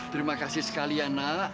terima kasih sekali ya nak